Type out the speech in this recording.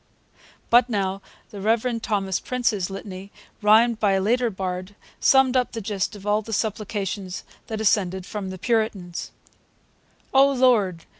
But now the Reverend Thomas Prince's litany, rhymed by a later bard, summed up the gist of all the supplications that ascended from the Puritans: O Lord!